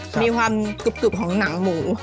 จะมีความใหม่ของหนังหมู